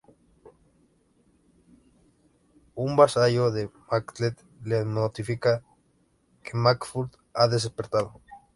Un vasallo de Macbeth le notifica que Macduff ha desertado.